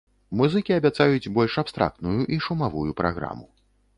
Музыкі абяцаюць больш абстрактную і шумавую праграму.